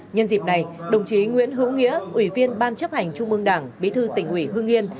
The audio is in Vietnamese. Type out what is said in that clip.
nhân dịp này đồng chí nguyễn hữu nghĩa ủy viên ban chấp hành trung mương đảng bí thư tỉnh ủy hương yên